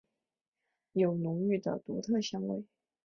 有浓郁的独特香味。